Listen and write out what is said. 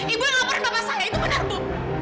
ibu yang melaporkan bapak saya itu benar bu